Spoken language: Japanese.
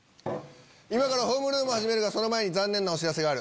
今からホームルームを始めるがその前に残念なお知らせがある。